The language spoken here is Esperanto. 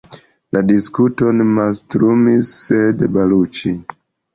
La diskuton mastrumis Said Baluĉi.